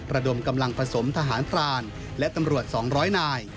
ระดมกำลังผสมทหารพรานและตำรวจ๒๐๐นาย